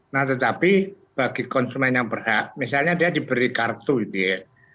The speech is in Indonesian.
nah tetapi bagi konsumen yang berhak misalnya dia diberi kartu gitu ya